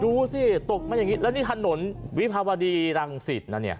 ดูสิตกมาอย่างนี้แล้วนี่ถนนวิภาวดีรังสิตนะเนี่ย